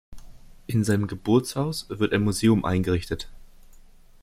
In seinem Geburtshaus wird ein Museum eingerichtet.